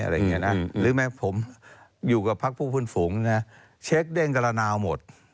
หรือแม้ผมอยู่กับพักผู้ฝุ่นฝุงเช็คได้กรณาหมด